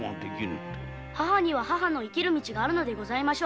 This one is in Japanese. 母には母の生きる道があるのでございましょう。